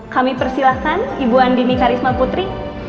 kami persilakan ibu andini karismal putri